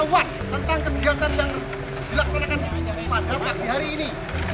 kekayaan alam kars di pegunungan kendeng tidak surut mendapat tekanan dari rencana pembangunan pabrik sepeda